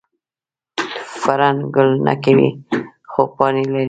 فرن ګل نه کوي خو پاڼې لري